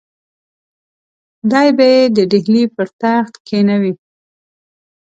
دی به یې د ډهلي پر تخت کښېنوي.